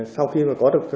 sau khi mà có được